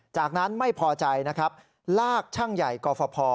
จากนั้นไม่พอใจนะครับลากช่างใหญ่กฟภ